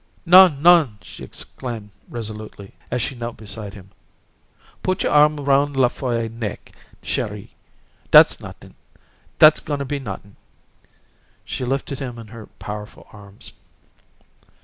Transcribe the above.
"Non, non!" she exclaimed resolutely, as she knelt beside him. "Put you' arm 'roun' La Folle's nake, Chéri. Dat's nuttin'; dat goin' be nuttin'." She lifted him in her powerful arms.